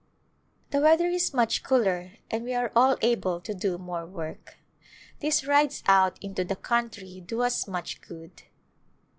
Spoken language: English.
The weather is much cooler and we are all able to do more work. These rides out into the country do us much good.